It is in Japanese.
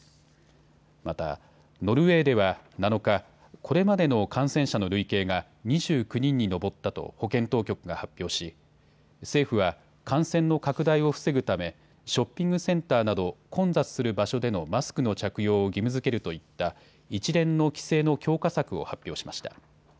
また、ノルウェーでは７日、これまでの感染者の累計が２９人に上ったと保健当局が発表し政府は感染の拡大を防ぐためショッピングセンターなど混雑する場所でのマスクの着用を義務づけるといった一連の規制の強化策を発表しました。